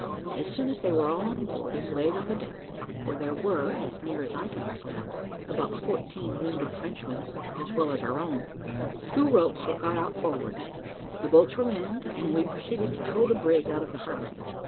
As soon as they were all on board, and laid on the deck for there were, as near as I can recollect, about fourteen wounded Frenchmen as well as our own two ropes were got out forwards, the boats were manned, and we proceeded to tow the brig out of the harbour.